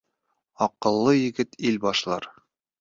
Аҡыллы егет ил башлар